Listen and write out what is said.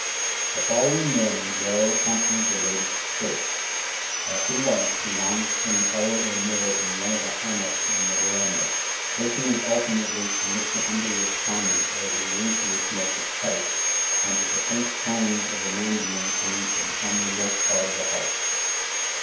The following morning Darrell accompanied the ladies to church. After lunch he lounged for an hour or more in one of the hammocks on the veranda, listening alternately to Mr. Underwood's comments as he leisurely smoked his pipe, and to the faint tones of a mandolin coming from some remote part of the house.